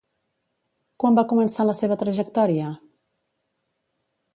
Quan va començar la seva trajectòria?